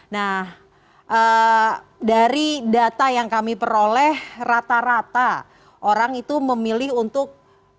nah dari data yang kami peroleh rata rata orang itu memilih untuk